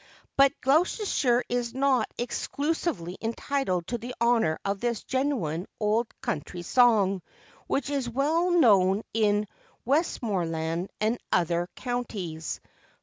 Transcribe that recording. But Gloucestershire is not exclusively entitled to the honour of this genuine old country song, which is well known in Westmoreland and other counties.